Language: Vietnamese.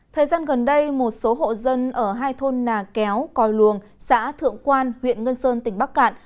thời gian gần đây một số hộ dân ở hai thôn nà kéo còi luồng xã thượng quan huyện ngân sơn tỉnh bắc cạn